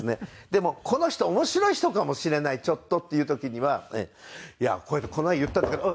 でもこの人面白い人かもしれないちょっとっていう時にはいやこうやってこの前言ったんだけどうっ。